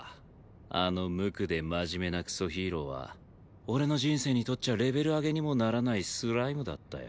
あの無垢で真面目なクソヒーローは俺の人生にとっちゃレベル上げにもならないスライムだったよ。